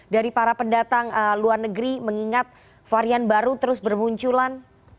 dari para pendatang luar negeri mengingat varian baru terus bermunculan